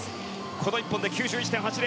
この１本で９１．８０。